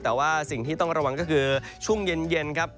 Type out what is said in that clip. แต่ว่าสิ่งที่ต้องระวังก็คือช่วงเย็นครับ